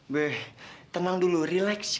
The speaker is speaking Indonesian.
be tenang dulu relax